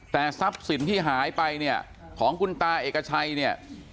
แต่ทรัพย์สินที่หายไปเนี่ยของคุณตาเอกชัยเนี่ย